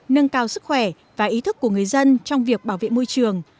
nâng cao sức khỏe và ý thức của người dân trong việc bảo vệ môi trường